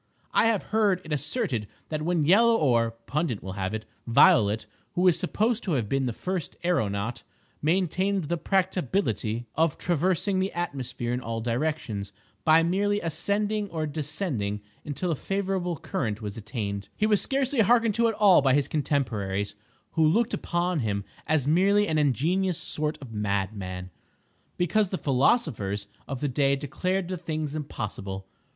I have heard it asserted that when Yellow or (Pundit will have it) Violet, who is supposed to have been the first aeronaut, maintained the practicability of traversing the atmosphere in all directions, by merely ascending or descending until a favorable current was attained, he was scarcely hearkened to at all by his contemporaries, who looked upon him as merely an ingenious sort of madman, because the philosophers (?) of the day declared the thing impossible.